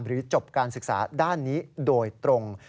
จบการศึกษาด้านนี้โดยตรง